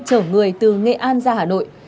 chở người từ nghệ an ra hà nội